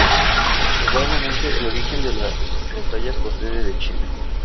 Probablemente el origen de la Rocalla procede de China.